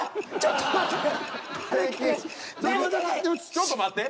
ちょっと待って。